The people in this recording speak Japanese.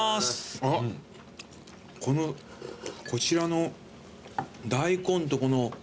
あっこのこちらの大根とこの。